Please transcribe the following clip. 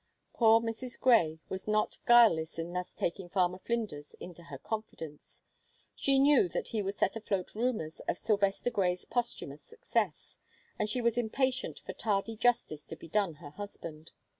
Poor Mrs. Grey was not guileless in thus taking Farmer Flinders into her confidence. She knew that he would set afloat rumors of Sylvester Grey's posthumous success, and she was impatient for tardy justice to be done her husband.